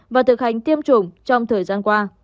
và thực hành tiêm chủng trong thời gian qua